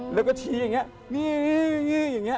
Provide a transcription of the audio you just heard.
แล้วก็ชี้อย่างเงี้ย